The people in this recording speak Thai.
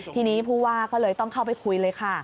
ทีนี้ผู้ว่าก็เลยต้องเข้าไปคุยเลยค่ะ